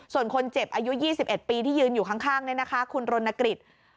ส่วนคนเจ็บอายุ๒๑ปีที่ยืนอยู่ข้างนี่นะคะคุณรณกฤษ